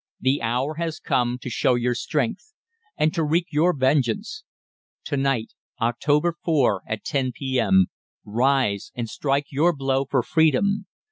The hour has come to show your strength, and to wreak your vengeance. TO NIGHT, OCT. 4, AT 10 P.M., rise, and strike your blow for freedom.